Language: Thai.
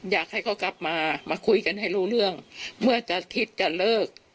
อยากให้เขากลับมามาคุยกันให้รู้เรื่องเมื่อจะคิดจะเลิก